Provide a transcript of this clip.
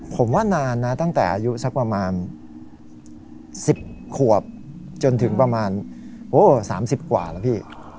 ผมว่านานนะตั้งแต่อายุสักประมาณ๑๐ขวบจนถึงประมาณ๓๐กว่าแล้วพี่